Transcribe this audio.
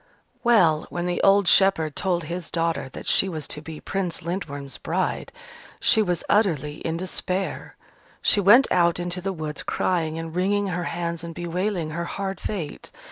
Well, when the old shepherd told his daughter that she was to be Prince Lindworm's bride, she was utterly in despair. She went out into the woods, crying and wringing her hands and bewailing her hard fate.